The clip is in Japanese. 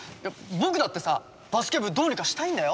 僕だってさバスケ部どうにかしたいんだよ？